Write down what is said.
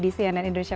di cnn indonesia